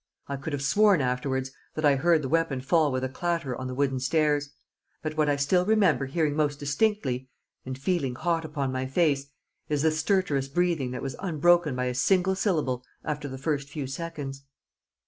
I could have sworn afterwards that I heard the weapon fall with a clatter on the wooden stairs. But what I still remember hearing most distinctly (and feeling hot upon my face) is the stertorous breathing that was unbroken by a single syllable after the first few seconds.